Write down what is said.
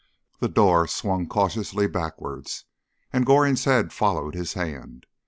The door swung cautiously backwards, and Goring's head followed his hand.